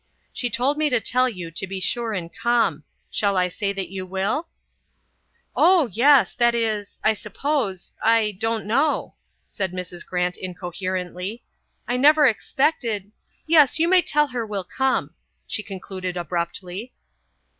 "She told me to tell you to be sure and come. Shall I say that you will?" "Oh, yes, that is I suppose I don't know," said Mrs. Grant incoherently. "I never expected yes, you may tell her we'll come," she concluded abruptly.